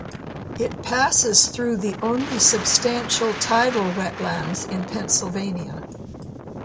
It passes through the only substantial tidal wetlands in Pennsylvania.